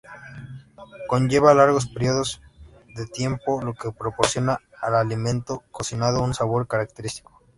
Conlleva largos periodos de tiempo, lo que proporciona al alimento cocinado un sabor característico.